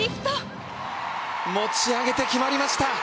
持ち上げて決まりました。